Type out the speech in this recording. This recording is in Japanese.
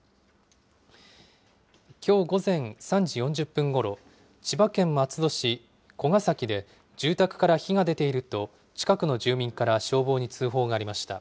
きょう午前３時４０分ごろ、千葉県松戸市古ヶ崎で、住宅から火が出ていると、近くの住民から消防に通報がありました。